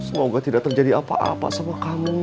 semoga tidak terjadi apa apa sama kami